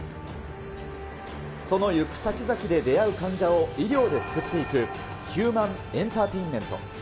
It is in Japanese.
その行く先々で出会う患者を医療で救っていく、ヒューマンエンターテインメント。